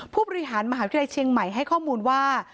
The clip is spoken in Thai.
ผู้บริหารมหาวิทยาลัยเชียงใหม่ให้ข้อมูลว่า